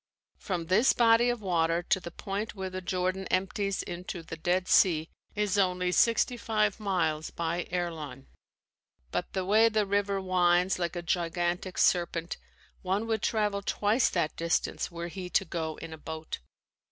From this body of water to the point where the Jordan empties into the Dead Sea is only sixty five miles by airline, but the way the river winds like a gigantic serpent, one would travel twice that distance were he to go in a boat.